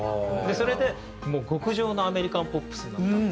それでもう極上のアメリカンポップスになったと。